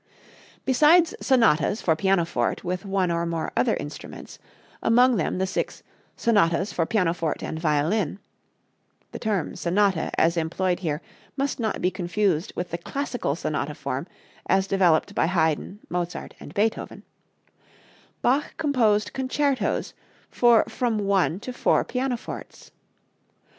Besides "sonatas" for pianoforte with one or more other instruments, among them the six "Sonatas for Pianoforte and Violin" (the term sonata as employed here must not be confused with the classical sonata form as developed by Haydn, Mozart and Beethoven), Bach composed concertos for from one to four pianofortes.